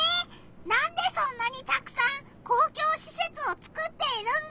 なんでそんなにたくさん公共しせつをつくっているんだ？